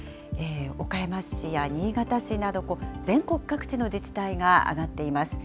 岡山市や新潟市など、全国各地の自治体があがっています。